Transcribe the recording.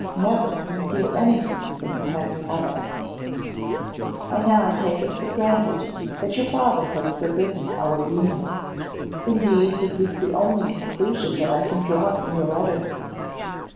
Never conceal anything from your Henrietta. I now take it for granted that your father has forbidden our union; indeed this is the only conclusion that I can draw from your letter.